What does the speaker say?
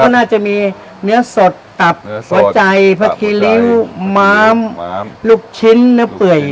น่าจะมีเนื้อสดตับหัวใจพระคีริ้วม้ามลูกชิ้นเนื้อเปื่อย